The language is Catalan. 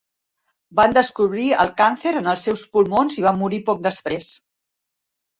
Van descobrir el càncer en els seus pulmons i va morir poc després.